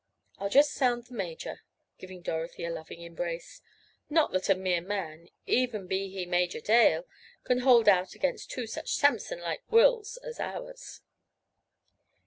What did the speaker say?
I'll just sound the major," giving Dorothy a loving embrace. "Not that a mere man, even be he Major Dale, can hold out against two such Sampson like wills as ours."